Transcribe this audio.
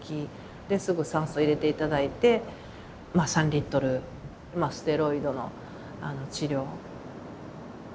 ですぐ酸素入れて頂いて３リットルステロイドの治療。